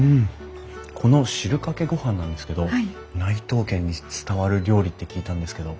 この汁かけ御飯なんですけど内藤家に伝わる料理って聞いたんですけど。